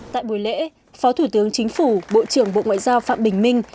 tại buổi lễ phó thủ tướng chính phủ bộ trưởng bộ ngoại giao phạm bình minh